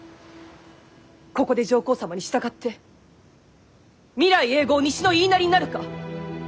ここで上皇様に従って未来永劫西の言いなりになるか。